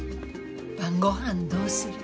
晩ご飯どうする？